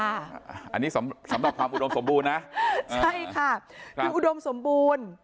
อันนี้สำหรับความอุดมสมบูรณ์นะใช่ค่ะคืออุดมสมบูรณ์